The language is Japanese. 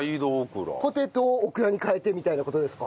ポテトをオクラに替えてみたいな事ですか？